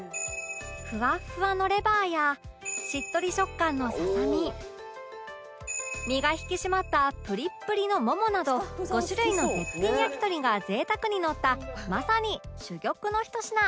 ふわっふわのレバーやしっとり食感のささみ身が引き締まったプリップリのももなど５種類の絶品焼き鳥が贅沢にのったまさに珠玉のひと品